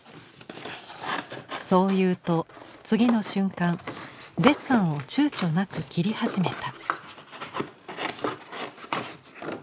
そう言うと次の瞬間デッサンをちゅうちょなく切り始めた。